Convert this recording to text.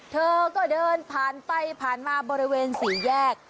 เธอก็เดินผ่านไปผ่านมาบริเวณสี่แยก